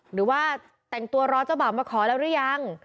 หรือว่าแต่งตัวรอเจ้าบ่าวมาขอแล้วหรือยัง